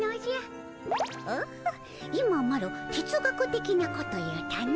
オッホ今マロ哲学的なこと言うたの。